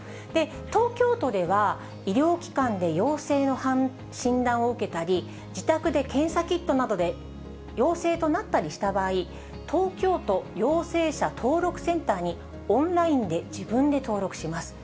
東京都では、医療機関で陽性の診断を受けたり、自宅で検査キットなどで陽性となったりした場合、東京都陽性者登録センターに、オンラインで自分で登録します。